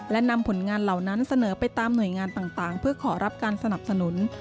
และนำผลงานเหล่านั้นเสนอไปตามหน่วยงานต่างเพื่อขอรับการสนับสนุน